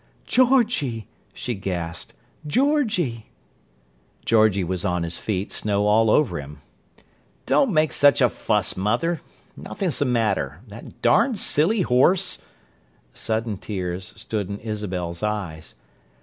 "Georgie!" she gasped. "Georgie!" Georgie was on his feet, snow all over him. "Don't make a fuss, mother! Nothing's the matter. That darned silly horse—" Sudden tears stood in Isabel's eyes.